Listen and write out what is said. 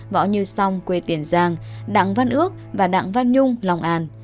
võ như song quê tiền giang đặng văn ước và đặng văn nhung lòng an